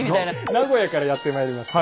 名古屋からやってまいりました